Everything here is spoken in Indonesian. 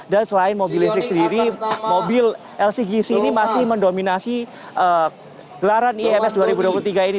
dan selain mobil listrik sendiri mobil lcgc ini masih mendominasi gelaran ims dua ribu dua puluh tiga ini